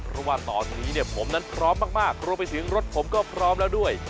เพราะว่าตอนนี้เนี่ยผมนั้นพร้อมมากรวมไปถึงรถผมก็พร้อมแล้วด้วย